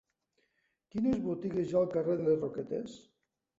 Quines botigues hi ha al carrer de les Roquetes?